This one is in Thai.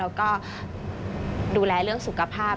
แล้วก็ดูแลเรื่องสุขภาพ